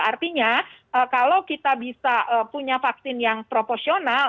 artinya kalau kita bisa punya vaksin yang proporsional